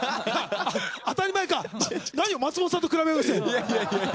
当たり前かなにを松本さんと比べようとしてんだ。